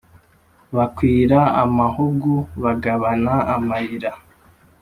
Bakwira amahugu, bagabana amayira;